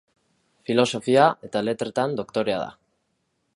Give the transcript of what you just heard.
Filosofia eta letretan doktorea da.